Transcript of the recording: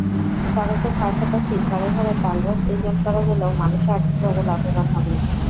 সড়কের পাশাপাশি ঘরে ঘরে তালগাছ সৃজন করা গেলে মানুষও আর্থিকভাবে লাভবান হবে।